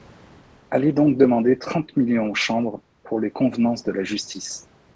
Allez donc demander trente millions aux Chambres pour les convenances de la Justice.